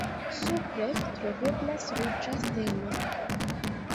Supre troveblas ruĝa stelo.